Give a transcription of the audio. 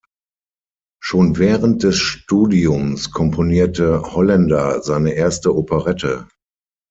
Schon während des Studiums komponierte Hollaender seine erste Operette.